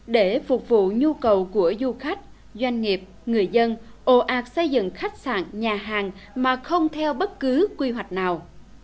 để phục vụ nhu cầu của du khách doanh nghiệp người dân ồ ạc xây dựng khách sạn nhà hàng mà không theo bất cứ quy hoạch nào